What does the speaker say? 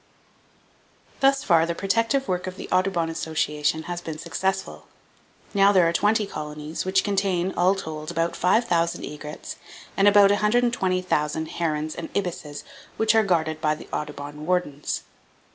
Thus far the protective work of the Audubon Association has been successful. Now there are twenty colonies, which contain all told, about 5,000 egrets and about 120,000 herons and ibises which are guarded by the Audubon wardens.